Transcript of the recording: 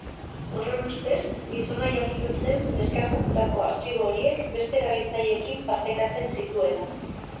Horren ustez, gizona jakitun zen deskargatutako artxibo horiek beste erabiltzaileekin partekatzen zituela.